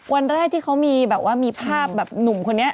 วันแรกที่เขามีภาพหนุ่มคนนี้